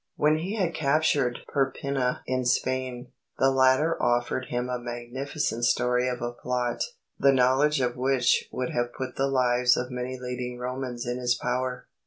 When he had captured Perpenna in Spain, the latter offered him a magnificent story of a plot, the knowledge of which would have put the lives of many leading Romans in his power.